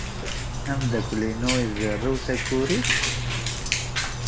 Ameddakel-inu izerrew takurit?